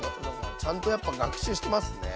ちゃんとやっぱ学習してますね。